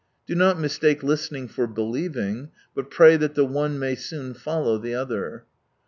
Do not mistake listening for believing, but pray that the one may soon follow the other.